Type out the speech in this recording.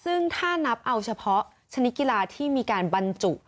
ซึ่งถ้านับเอาเฉพาะชนิดกีฬาที่มีการบรรจุ